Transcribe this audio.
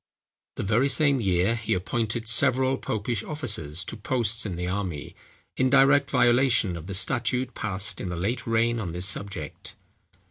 The very same year he appointed several popish officers to posts in the army, in direct violation of the statute passed in the late reign on this subject.